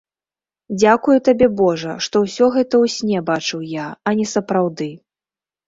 Дзякую табе, божа, што ўсё гэта ў сне бачыў я, а не сапраўды.